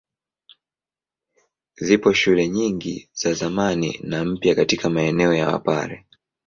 Zipo shule nyingi za zamani na mpya katika maeneo ya Wapare.